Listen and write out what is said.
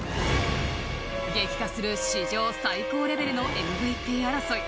激化する史上最高レベルのＭＶＰ争い